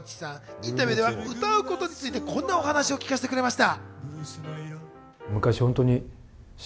インタビューでは歌うことについてこんなお話を聞かせてくれました。